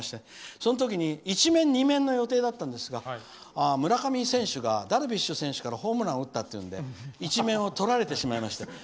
その時１面、２面の予定だったんですが村上選手がダルビッシュ選手からホームランを打ったというので１面をとられてしまいました。